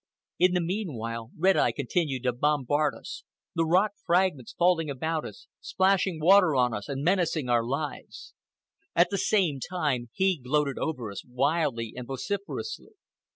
In the meanwhile Red Eye continued to bombard us, the rock fragments falling about us, splashing water on us, and menacing our lives. At the same time he gloated over us, wildly and vociferously.